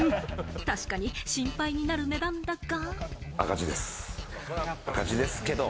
確かに心配になる値段だが。